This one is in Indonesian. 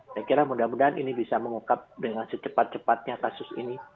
saya kira mudah mudahan ini bisa mengungkap dengan secepat cepatnya kasus ini